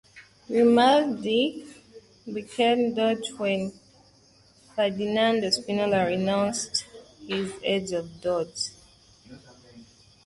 Grimaldi became doge when Ferdinando Spinola renounced his position of doge.